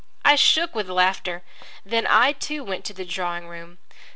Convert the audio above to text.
I shook with laughter. Then I, too, went to the drawing room.